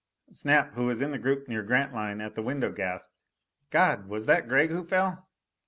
Snap, who was in the group near Grantline at the window gasped, "God! Was that Gregg who fell?"